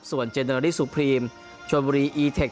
ส่วนเจเนอรี่สุพรีมชนบุรีอีเทค